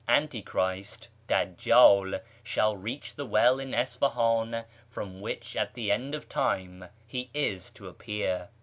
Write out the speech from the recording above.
Antichrist {Dajjdl) shall reach the well in Isfah; in from wliich, at tlie end of time, he is to appear.